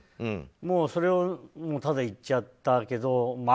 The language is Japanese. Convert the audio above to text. それを、ただ言っちゃったけど。